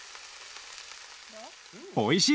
おいしい！